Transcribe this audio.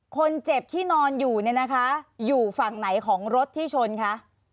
คนเจ็บที่นอนอยู่เนี่ยนะคะอยู่ฝั่งไหนของรถที่ชนคะ